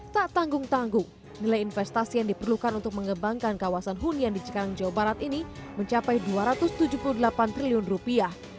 tak tanggung tanggung nilai investasi yang diperlukan untuk mengembangkan kawasan hunian di cikarang jawa barat ini mencapai dua ratus tujuh puluh delapan triliun rupiah